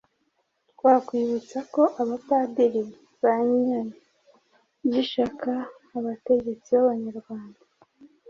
Twakwibutsa ko Abapadiri banyagishaga abategetsi b'Abanyarwanda